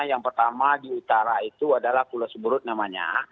yang pertama di utara itu adalah pulau seberut namanya